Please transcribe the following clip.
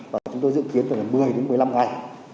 và chúng tôi dự kiến là một mươi đến một mươi năm ngày